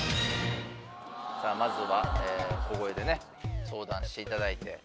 まずは小声でね相談していただいて。